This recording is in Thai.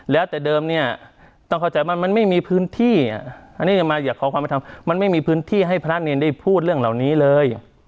แล้วแต่เดิมเนี่ยต้องเข้าใจว่ามันไม่มีพื้นที่อันนี้จะมาอยากขอความเป็นธรรมมันไม่มีพื้นที่ให้พระเนรได้พูดเรื่องเหล่านี้เลย